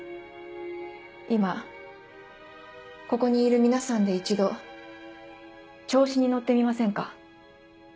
今ここにいる皆さんで一度調子に乗ってみませんか？